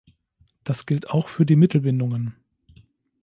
Das gilt auch für die Mittelbindungen.